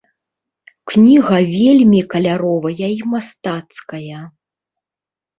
Кніга вельмі каляровая і мастацкая.